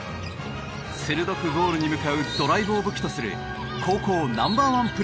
鋭くゴールに向かうドライブを武器とする高校ナンバーワンプレーヤー。